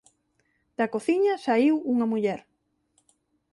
Da cociña saíu unha muller.